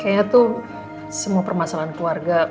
kayaknya tuh semua permasalahan keluarga